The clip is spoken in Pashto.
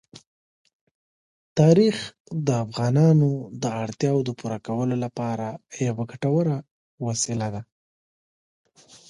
تاریخ د افغانانو د اړتیاوو د پوره کولو لپاره یوه ګټوره وسیله ده.